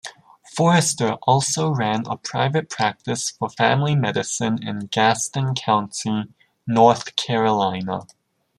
Forrester also ran a private practice for family medicine in Gaston County, North Carolina.